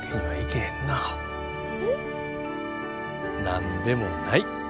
何でもない。